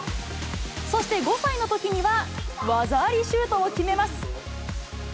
そして５歳のときには、技ありシュートを決めます。